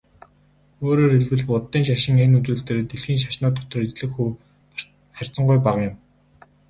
Өөрөөр хэлбэл, буддын шашин энэ үзүүлэлтээрээ дэлхийн шашнууд дотор эзлэх хувь харьцангуй бага юм.